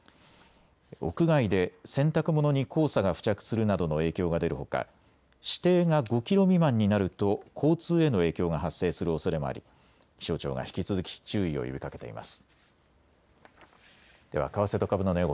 屋外で洗濯物に黄砂が付着するなどの影響が出るほか、視程が５キロ未満になると交通への影響が発生するおそれもあり気象庁が引き続き注意を呼びかけています。